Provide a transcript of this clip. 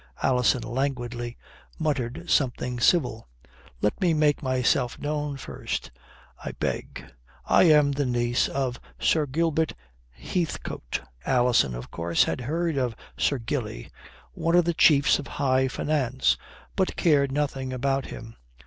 Alison languidly muttered something civil. "Let me make myself known first, I beg. I am the niece of Sir Gilbert Heathcote." Alison, of course, had heard of Sir Gilly one of the chiefs of high finance but cared nothing about him.